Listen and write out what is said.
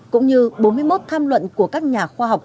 cũng như bốn mươi một tham luận của các nhà khoa học